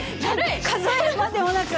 数えるまでもなく。